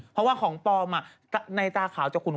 เพราะว่าของปลอมในตาขาวจะขุน